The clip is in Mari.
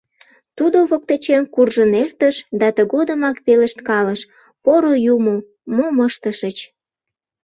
Тудо воктечем куржын эртыш да тыгодымак пелешткалыш: «Поро Юмо, мом ыштышыч...»